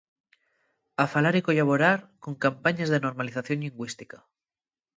Afalar y collaborar con campañes de normalización llingüística.